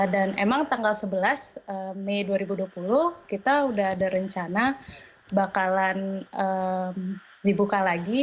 dan emang tanggal sebelas mei dua ribu dua puluh kita udah ada rencana bakalan dibuka lagi